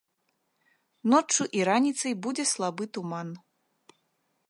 Ноччу і раніцай будзе слабы туман.